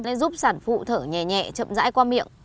để giúp sản phụ thở nhẹ nhẹ chậm dãi qua miệng